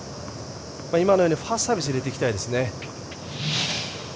今のようにファーサービスを入れていきたいですね。